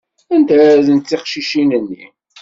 Anda ara rrent teqcicin-nni?